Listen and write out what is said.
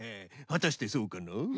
はたしてそうかな？